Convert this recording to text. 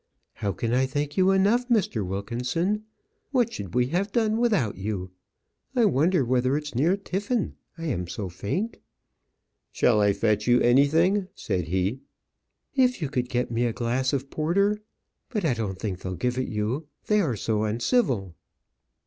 "How can I thank you enough, Mr. Wilkinson? What should we have done without you? I wonder whether it's near tiffin. I am so faint." "Shall I fetch you anything?" said he. "If you could get me a glass of porter. But I don't think they'll give it you. They are so uncivil!"